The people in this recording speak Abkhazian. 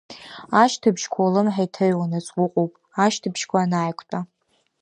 Ашьҭыбжьқәа улымҳа иҭаҩуанаҵ уҟоуп, ашьҭыбжьқәа анааиқәтәа…